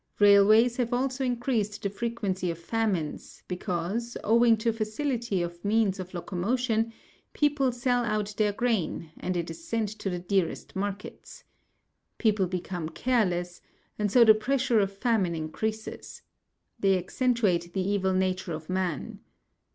Railways have also increased the frequency of famines, because, owing to facility of means of locomotion, people sell out their grain, and it is sent to the dearest markets. People become careless, and so the pressure of famine increases. They accentuate the evil nature of man.